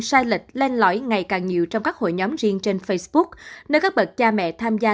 sai lệch len lõi ngày càng nhiều trong các hội nhóm riêng trên facebook nơi các bậc cha mẹ tham gia